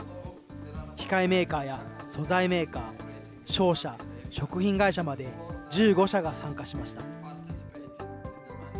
機械メーカーや素材メーカー、商社、食品会社まで１５社が参加しました。